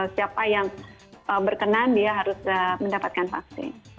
siapa yang berkenan dia harus mendapatkan vaksin